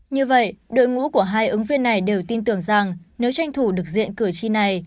như vậy đội ngũ của hai ứng viên này đều tin tưởng rằng nếu tranh thủ được diện cử tri này